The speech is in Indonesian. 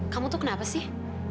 kamu tuh kenapa sih